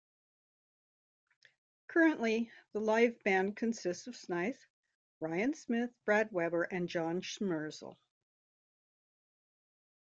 Currently, the live band consists of Snaith, Ryan Smith, Brad Weber, and John Schmersal.